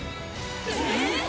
えっ！